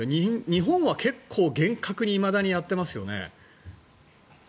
日本は結構厳格にいまだにやってますよね。